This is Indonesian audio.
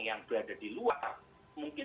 yang berada di luar mungkin